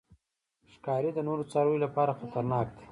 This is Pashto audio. ښکاري د نورو څارویو لپاره خطرناک دی.